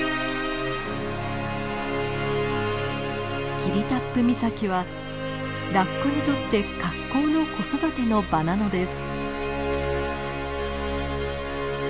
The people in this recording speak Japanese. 霧多布岬はラッコにとって格好の子育ての場なのです。